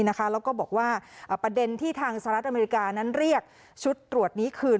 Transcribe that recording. แล้วก็บอกว่าประเด็นที่ทางสหรัฐอเมริกานั้นเรียกชุดตรวจนี้คืน